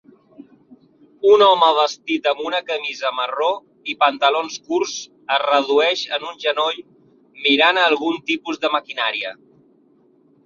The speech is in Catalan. Un home vestit amb una camisa marró i pantalons curts es redueix en un genoll mirant a algun tipus de maquinària